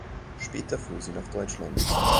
Später floh sie nach Deutschland.